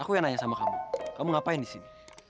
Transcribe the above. aku yang nanya sama kamu kamu ngapain disini